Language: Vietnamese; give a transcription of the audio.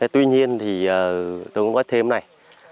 tuy nhiên thì tôi cũng có thêm này